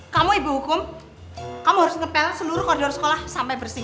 kamu ibu hukum kamu harus ngepel seluruh koridor sekolah sampai bersih